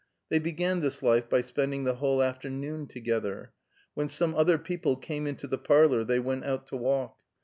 They began this life by spending the whole afternoon together. When some other people came into the parlor, they went out to walk.